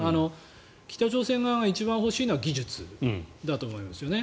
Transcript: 北朝鮮側が一番欲しいのは技術だと思いますね。